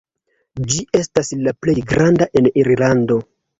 Ĝi estas la plej granda en Irlando.